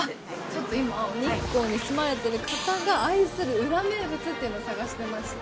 ちょっと今日光に住まれてる方が愛する裏名物っていうのを探してまして。